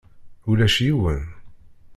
Ulac yiwen.